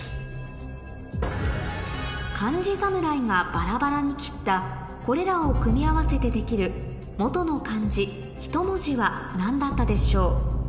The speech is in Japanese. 漢字侍がバラバラに斬ったこれらを組み合わせて出来る元の漢字ひと文字は何だったでしょう？